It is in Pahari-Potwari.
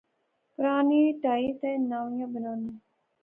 پرانیاں ٹہائی تے نویاں بنایاں